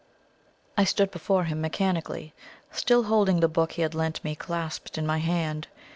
I stood before him mechanically, still holding the book he had lent me clasped in my hand.